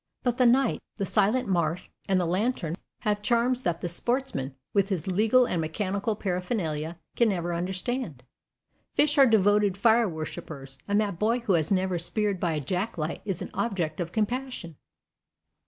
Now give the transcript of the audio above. But the night, the silent marsh, and the lantern have charms that the sportsman, with his legal and mechanical paraphernalia, can never understand. Fish are devoted fire worshippers, and that boy who has never speared by a jack light is an object of compassion.